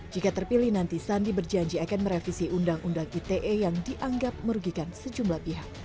jika terpilih nanti sandi berjanji akan merevisi undang undang ite yang dianggap merugikan sejumlah pihak